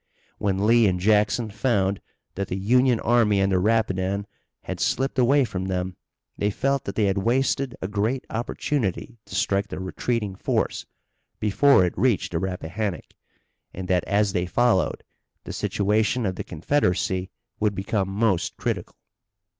When Lee and Jackson found that the Union army on the Rapidan had slipped away from them they felt that they had wasted a great opportunity to strike the retreating force before it reached the Rappahannock, and that, as they followed, the situation of the Confederacy would become most critical.